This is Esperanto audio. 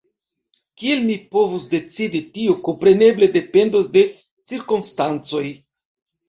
Kiel mi povus decidi, tio kompreneble dependos de cirkonstancoj.